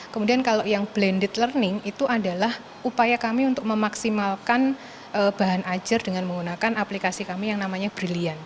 kemudian kalau yang blended learning itu adalah upaya kami untuk memaksimalkan bahan ajar dengan menggunakan aplikasi kami yang namanya brilliant